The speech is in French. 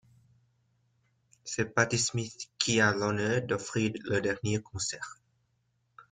C'est Patti Smith qui a l'honneur d'offrir le dernier concert.